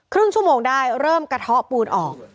ครึ่งชั่วโมงได้เริ่มกระเทาะปูนออก